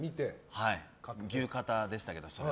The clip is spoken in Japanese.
牛肩でしたけど。